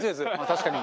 確かに。